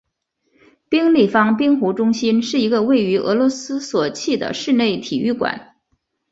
冰立方冰壶中心是一个位于俄罗斯索契的室内体育馆。